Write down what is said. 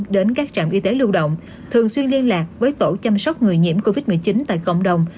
đến các trạm y tế lưu động thường xuyên liên lạc với tổ chăm sóc người nhiễm covid một mươi chín tại cộng đồng